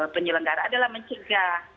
penyelenggara adalah mencegah